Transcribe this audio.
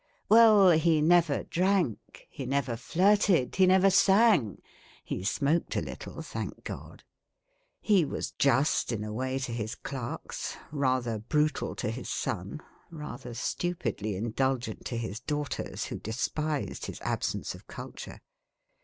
" Well, he never drank, he never flirted, he never sang, he smoked a little (thank God !), he was just (in a way) to his clerks, rather brutal to his son, rather stupidly indulgent to his daughters, who de spised his absence of culture.